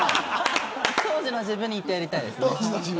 当時の自分に言ってやりたいです。